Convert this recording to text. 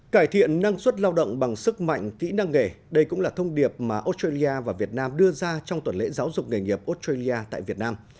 cải thiện năng suất lao động bằng sức mạnh kỹ năng nghề đây cũng là thông điệp mà australia và việt nam đưa ra trong tuần lễ giáo dục nghề nghiệp australia tại việt nam